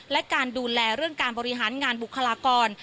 และการดูแลเรื่องการบริหารงานบุคลากร